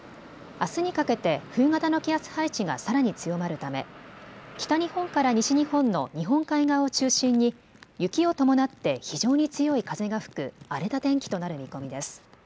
あすにかけて冬型の気圧配置がさらに強まるため北日本から西日本の日本海側を中心に雪を伴って非常に強い風が吹く荒れた天気となる見込みです。